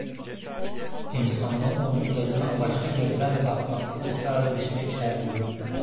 İnsanlara olduklarından başka gözlerle bakmakta ısrar edişime içerliyordum.